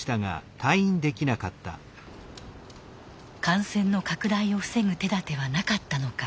感染の拡大を防ぐ手だてはなかったのか。